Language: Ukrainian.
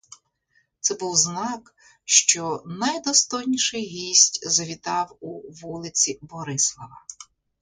Це був знак, що найдостойніший гість завітав у вулиці Борислава.